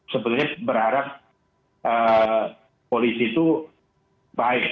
sebenarnya berharap polisi itu baik